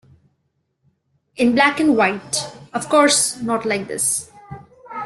In black and white, of course — not like this.